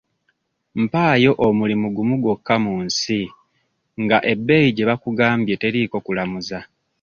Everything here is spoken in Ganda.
Mpaayo omulimu gumu gwokka mu nsi nga ebbeeyi gye bakugambye teriiko kulamuza.